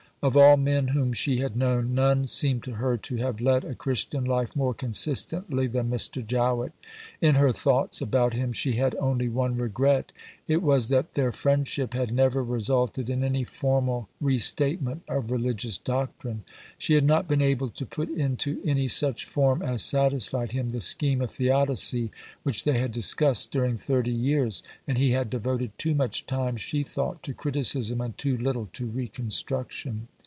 Of all men whom she had known, none seemed to her to have led a Christian life more consistently than Mr. Jowett. In her thoughts about him she had only one regret. It was that their friendship had never resulted in any formal re statement of religious doctrine. She had not been able to put into any such form as satisfied him the scheme of Theodicy which they had discussed during thirty years, and he had devoted too much time, she thought, to criticism and too little to reconstruction.